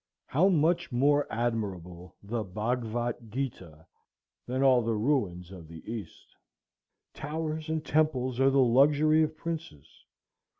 How much more admirable the Bhagvat Geeta than all the ruins of the East! Towers and temples are the luxury of princes.